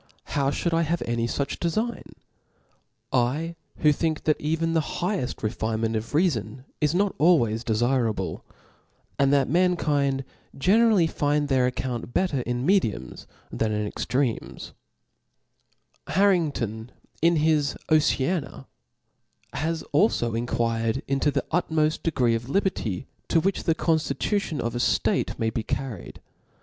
How ihould I hav« any fuch defign, I who think that even the higheft refinement of reafon is not always defirable, and that mankind generally find their account bet* ter in mediums than in extremes i Harrington^ in his Oceana^ has alfo enquired into the utmoft degree of liberty, to which the conftitu tion of a ftate may be carried.